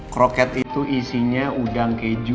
kroket itu isinya udang keju